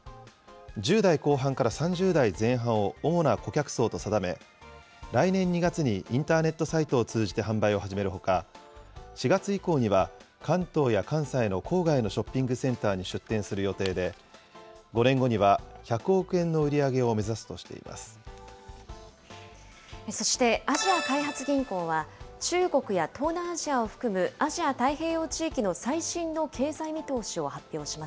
１０代後半から３０代前半を主な顧客層と定め、来年２月にインターネットサイトを通じて販売を始めるほか、４月以降には、関東や関西の郊外のショッピングセンターに出店する予定で、５年後には、１００億円の売り上げを目指すとそして、アジア開発銀行は中国や東南アジアを含むアジア太平洋地域の最新の経済見通しを発表